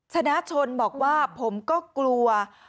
ชนะชนบอกว่าผมก็กลัว